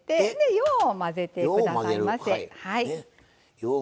よう混ぜてください。